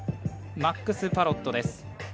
マックス・パロットです。